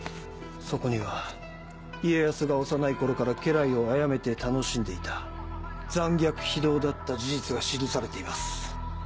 そこには家康が幼い頃から家来を殺めて楽しんでいた残虐非道だった事実が記されています。